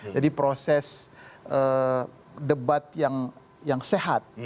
jadi proses debat yang sehat